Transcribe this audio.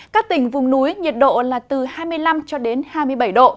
các tỉnh vùng núi nhiệt độ là từ hai mươi năm cho đến hai mươi bảy độ